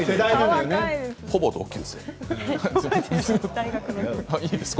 ほぼ同級生。